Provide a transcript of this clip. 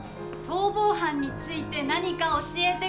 逃亡犯について何か教えて下さい。